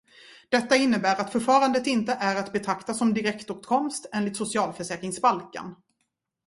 Detta innebär att förfarandet inte är att betrakta som direktåtkomst enligt socialförsäkringsbalken.